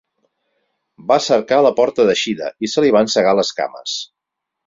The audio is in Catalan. Va cercar la porta d'eixida, i se li van cegar les cames